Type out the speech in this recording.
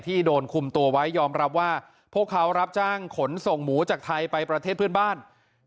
โดนคุมตัวไว้ยอมรับว่าพวกเขารับจ้างขนส่งหมูจากไทยไปประเทศเพื่อนบ้าน